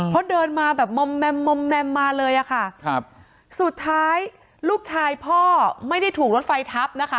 เพราะเดินมาแบบมาเลยอ่ะค่ะครับสุดท้ายลูกชายพ่อไม่ได้ถูกรดไฟทับนะคะ